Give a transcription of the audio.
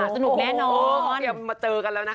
สนุกแม่นอน